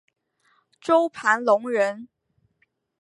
周盘龙人。